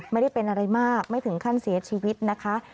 ไม่ได้เป็นอะไรมากไม่ถึงขั้นเสียชีวิตนะคะ